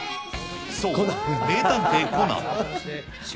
そう、名探偵コナン。